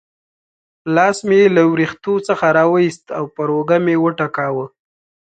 لاس مې یې له وریښتو څخه را وایست او پر اوږه مې وټکاوه.